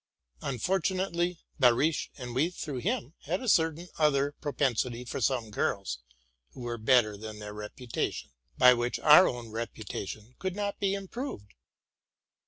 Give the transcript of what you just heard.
Unfortunately Behrisch, and we through him, had a certain other propensity for some girls who were better than their reputation, — by which our own reputation could not be im proved.